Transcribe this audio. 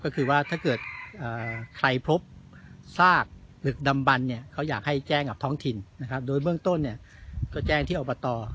ก็คือว่าถ้าเกิดใครพบซากผึกดำบันเนี่ยเขาอยากให้แจ้งกับท้องถิ่นนะครับโดยเบื้องต้นเนี่ยก็แจ้งที่อบต